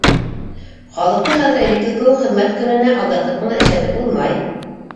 Халыҡты хәҙер элекке кеүек «хеҙмәт көнө»нә алдатып эшләтеп тә булмай.